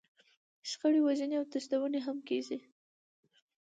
شخړې، وژنې او تښتونه هم کېږي.